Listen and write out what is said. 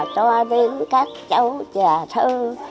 cho đến các cháu trẻ thơ